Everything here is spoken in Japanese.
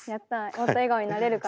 もっと笑顔になれるかな？